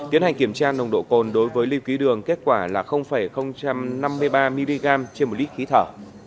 tiến hành kiểm tra nồng độ cồn đối với lưu ký đường kết quả là năm mươi ba mg trên một lít khí thở